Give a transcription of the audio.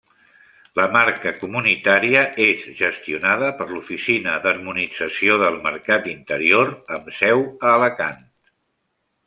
La marca comunitària és gestionada per l'Oficina d'Harmonització del Mercat Interior amb seu a Alacant.